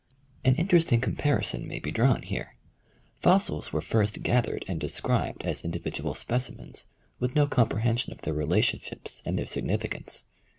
An interesting compai'ison may be drawn here. Fossils were first gathered and described as individual specimens, with no comprehension of their relationships and their significance.